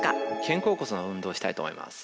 肩甲骨の運動をしたいと思います。